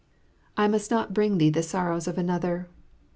I must not bring thee the sorrows of another.